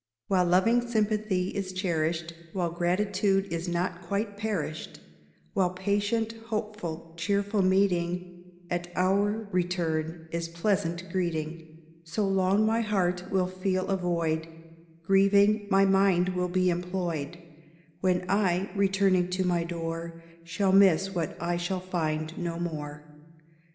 While loving sympathy is cherished, While gratitude is not quite perished; While patient, hopeful, cheerful meeting At our return is pleasant greeting; So long my heart will feel a void Grieving, my mind will be employed When I, returning to my door, Shall miss what I shall find no more.